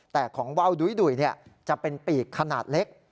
แต่ของว่าวดุ้ยจะเป็นปีกขนาดเล็ก